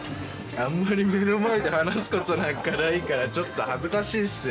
あんまり目の前で話すことないからちょっと恥ずかしいっすよ